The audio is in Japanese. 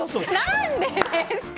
何でですか！